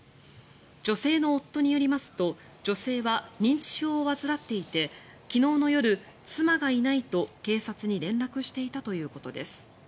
女性の夫によりますと女性は認知症を患っていて昨日の夜、妻がいないと警察に連絡していたということです。